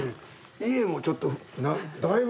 家もちょっとだいぶ。